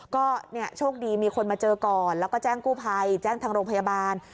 ก็เนี่ยโชคดีมีคนมาเจอก่อนแล้วก็แจ้งกู้ภัยแจ้งทางโรงพยาบาล